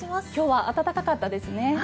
今日は暖かかったですね。